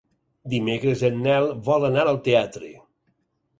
Dimecres en Nel vol anar al teatre.